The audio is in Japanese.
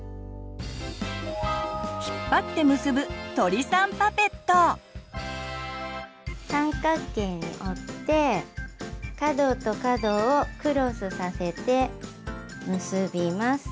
引っ張って三角形に折って角と角をクロスさせて結びます。